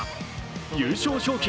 優勝賞金